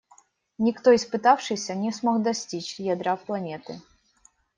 Никто из пытавшихся не смог достичь ядра планеты.